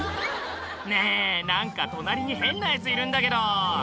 「ねぇ何か隣に変なヤツいるんだけど」